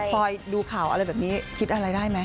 คอยดูข่าวอะไรแบบนี้คิดอะไรได้ไหม